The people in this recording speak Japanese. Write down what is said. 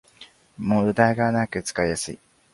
ムダがなく使いやすい